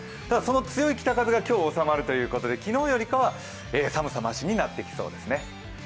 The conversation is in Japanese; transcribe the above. ただ、その強い北風が収まるということで、昨日よりかは、寒さ、ましになってきそうですね。